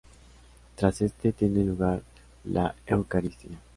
Tras este, tiene lugar la eucaristía.